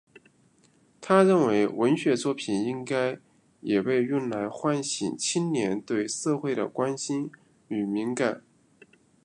他认为文学作品应该也被用来唤醒青年对社会的关心与敏感。